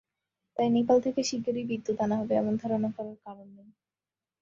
তাই নেপাল থেকে শিগগিরই বিদ্যুৎ আনা যাবে, এমন ধারণা করার কারণ নেই।